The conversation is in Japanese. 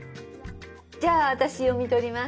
じゃあ私読み取ります。